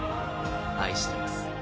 愛してます